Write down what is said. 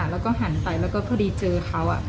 แล้วก็หันไปพอดีเจอเขา